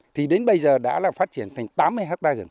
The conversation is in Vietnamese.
thì đến bây giờ đã phát triển thành tám mươi hectare rừng